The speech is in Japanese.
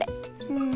うん。